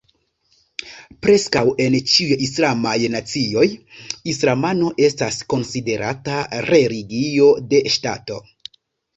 Preskaŭ en ĉiuj islamaj nacioj, Islamo estas konsiderata religio de ŝtato.